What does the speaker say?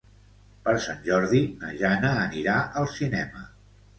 Per Sant Jordi na Jana anirà al cinema.